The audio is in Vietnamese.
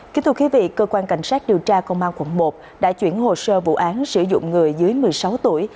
kính thưa quý vị cơ quan cảnh sát điều tra công an quận một đã chuyển hồ sơ vụ án sử dụng người dưới một mươi sáu tuổi